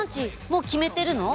もう決めてるの？